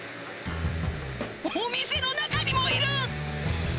お店の中にもいる！